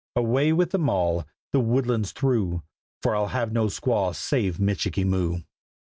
Away with them all, the woodlands through. For I'll have no squaw save Michikee Moo!"